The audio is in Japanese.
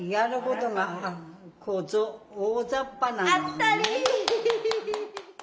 当ったり！